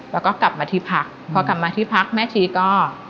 แล้วก็กลับมาที่พักพอกลับมาที่พักแม่ชีก็